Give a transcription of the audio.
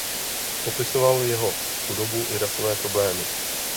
Popisoval jeho chudobu i rasové problémy.